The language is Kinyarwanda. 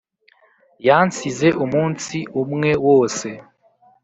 Yansize umunsi umwe wose